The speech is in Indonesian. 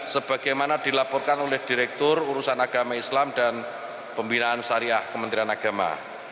sebagaimana dilaporkan oleh direktur urusan agama islam dan pembinaan syariah kementerian agama